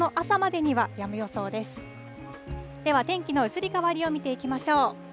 では天気の移り変わりを見ていきましょう。